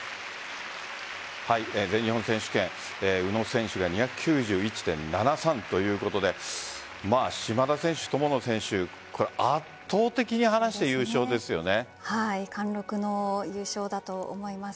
全日本選手権宇野選手が２９１．７３ということで島田選手、友野選手貫禄の優勝だと思います。